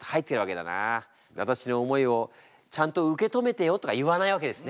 「私の思慕いをちゃんと受け止めてよ」とか言わないわけですね。